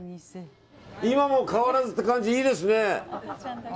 今も変わらずって感じいいですね。